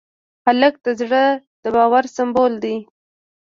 هلک د زړه د باور سمبول دی.